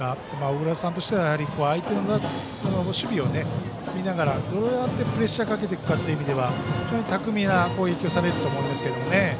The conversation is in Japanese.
小倉さんとしては相手の守備を見ながらどうやってプレッシャーをかけていくかという意味では非常に巧みな攻撃をされると思うんですけどね。